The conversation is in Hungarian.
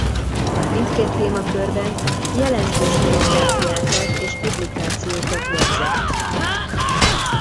Mindkét témakörben jelentős monográfiákat és publikációkat jegyzett.